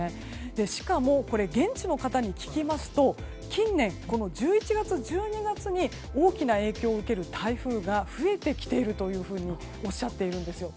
しかも現地の方に聞きますと近年、１１月、１２月に大きな影響を受ける台風が増えてきているとおっしゃっているんです。